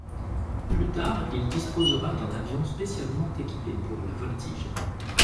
Plus tard, il disposera d'un avion spécialement équipé pour la voltige.